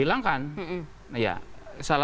ulang ulang teknik besar nya